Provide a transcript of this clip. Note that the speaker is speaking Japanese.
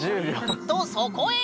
とそこへ！